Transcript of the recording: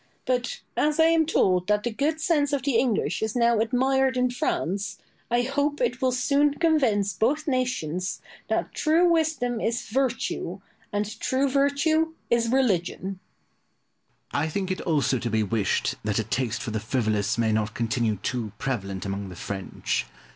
But as I am told that the good sense of the English is now admired in France, I hope it will soon convince both nations that true wisdom is virtue, and true virtue is religion. Pope. I think it also to be wished that a taste for the frivolous may not continue too prevalent among the French.